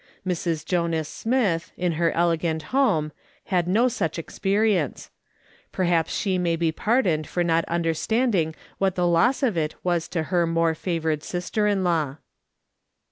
Mrs. Jonas Smith, in her elegant liome, had no such ex perience ; perhaps she may be pardoned for not understanding what the loss of it was to her more favoured sister in law.